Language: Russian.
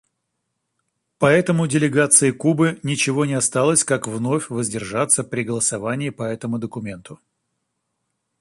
Поэтому делегации Кубы ничего не осталось, как вновь воздержаться при голосовании по этому документу.